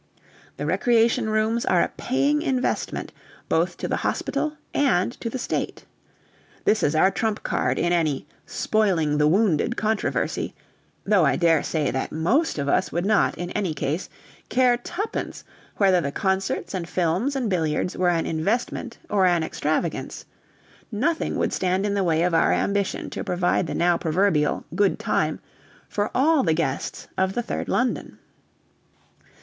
The recreation rooms are a paying investment both to the hospital and to the State. This is our trump card in any "spoiling the wounded" controversy though I dare say that most of us would not, in any case, care twopence whether the concerts and films and billiards were an investment or an extravagance: nothing would stand in the way of our ambition to provide the now proverbial "good time" for all the guests of the 3rd London.